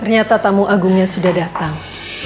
ternyata tamu agungnya sudah datang